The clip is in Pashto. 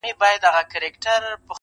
داسي به ډیرو وي پخوا لیدلی!.